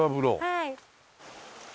はい。